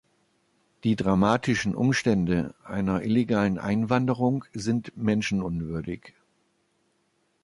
Die dramatischen Umstände einer illegalen Einwanderung sind menschenunwürdig.